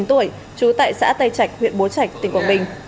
trú tại xã tây trạch huyện bố trạch tỉnh quảng bình